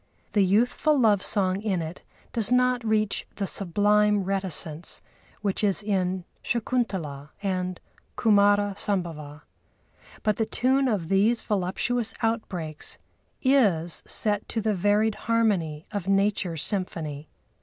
The youthful love song in it does not reach the sublime reticence which is in Shakuntalâ and Kumâra Sambhava. But the tune of these voluptuous outbreaks is set to the varied harmony of Nature's symphony.